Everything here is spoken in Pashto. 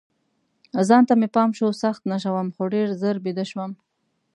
ځان ته مې پام شو، سخت نشه وم، خو ډېر ژر بیده شوم.